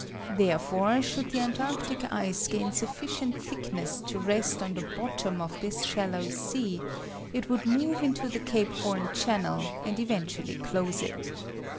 Therefore, should the antarctic ice gain sufficient thickness to rest on the bottom of this shallow sea, it would move into the Cape Horn channel, and eventually close it.